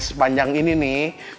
sepanjang ini nih